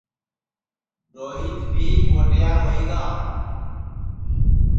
روہیت بی موٹیار ہوئی گا